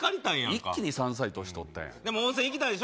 一気に３歳年取ったやんでも温泉行きたいでしょ